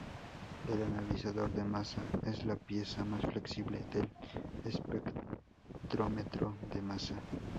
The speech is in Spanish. El analizador de masa es la pieza más flexible del espectrómetro de masa.